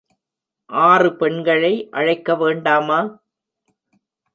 ஆறு பெண்களை அழைக்க வேண்டாமா?